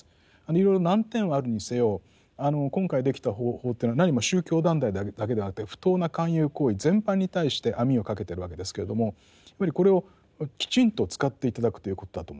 いろいろ難点はあるにせよあの今回できた法というのはなにも宗教団体だけではなくて不当な勧誘行為全般に対して網をかけているわけですけれどもやっぱりこれをきちんと使って頂くということだと思うんですね。